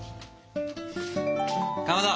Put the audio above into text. かまど。